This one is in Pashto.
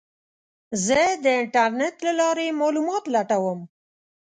زه د انټرنیټ له لارې معلومات لټوم.